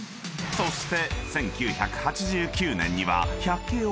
［そして］